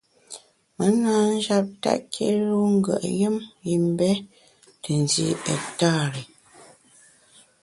Me na njap tèt kilu ngùet yùm yim mbe te ndi ektari.